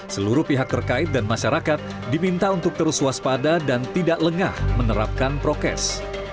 seluruh pihak terkait dan masyarakat diminta untuk terus waspada dan tidak lengah menerapkan prokes